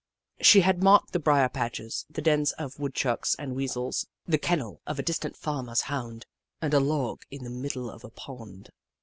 She had marked the brier patches, the dens of Woodchucks and Weasels, the kennel of a distant farmer's Hound, and a log in the middle of a pond.